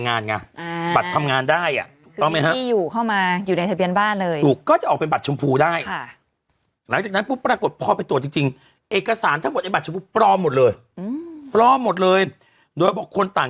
นะครับด้วยนางสาวนางพอร์นพาเขตสกุลใช่คุณไหมนะครับซึ่งต้องหาว่าการทำผิดฐาน